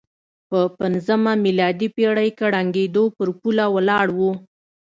په پځمه میلادي پېړۍ کې ړنګېدو پر پوله ولاړ و.